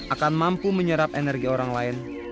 akan mampu menyerap energi orang lain